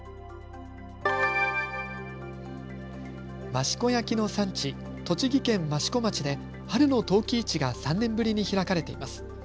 益子焼の産地、栃木県益子町で春の陶器市が３年ぶりに開かれています。